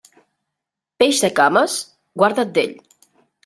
Peix de cames, guarda't d'ell.